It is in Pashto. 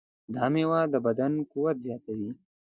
دا مېوه د بدن قوت زیاتوي.